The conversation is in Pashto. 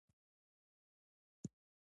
فیصل خپل د کتابونو بکس په ځمکه وغورځاوه.